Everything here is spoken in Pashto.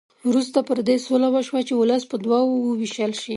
وروسته پر دې سوله وشوه چې ولس په دوه وو وېشل شي.